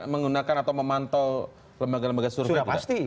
menggunakan atau memantau lembaga lembaga survei